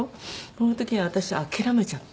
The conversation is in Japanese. その時に私諦めちゃって。